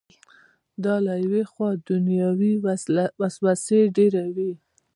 دا له یوې خوا دنیوي وسوسې ډېروي.